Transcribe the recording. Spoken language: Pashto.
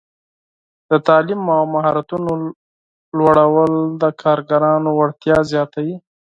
د تعلیم او مهارتونو لوړول د کارګرانو وړتیا زیاتوي.